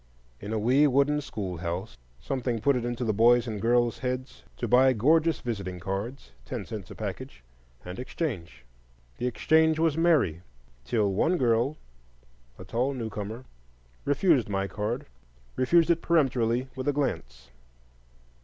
In a wee wooden schoolhouse, something put it into the boys' and girls' heads to buy gorgeous visiting cards—ten cents a package—and exchange. The exchange was merry, till one girl, a tall newcomer, refused my card,—refused it peremptorily, with a glance.